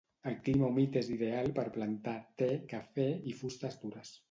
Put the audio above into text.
El clima humit és ideal per plantar te, cafè i fustes dures.